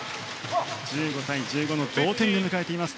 １５対１５の同点です